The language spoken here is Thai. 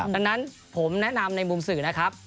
ดังนั้นผมแนะนำในมุมสื่อนะครับ